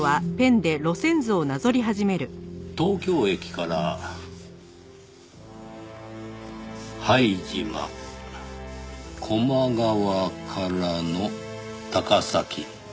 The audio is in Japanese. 東京駅から拝島高麗川からの高崎。